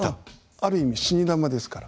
ある意味死に球ですから。